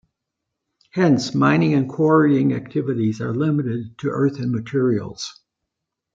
Hence mining and quarrying activities are limited to earthen materials.